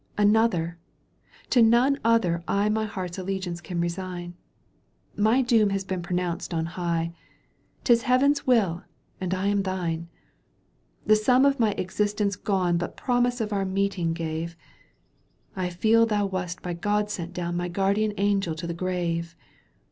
X. Another ! to none other I My heart's allegiance can resign. My doom has been pronounced on high, Tis Heaven's wiU and I am thine. The sum of my existence gone But promise of our meeting gave, I feel thou wast by God sent down My guardian angel to the grave.